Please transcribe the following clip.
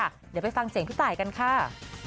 เดี๋ยวไปฟังเสียงพี่ตายกันค่ะ